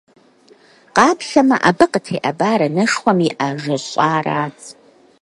Къаплъэмэ, абы къытеӏэбар анэшхуэм и Ӏэ жэщӀарат.